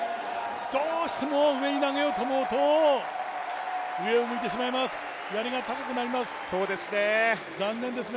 どうしても上に投げようと思うと上を向いてしまいます、やりが高くなります。